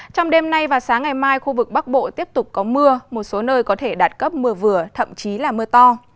trong đêm nay và sáng ngày mai khu vực bắc bộ tiếp tục có mưa một số nơi có thể đạt cấp mưa vừa thậm chí là mưa to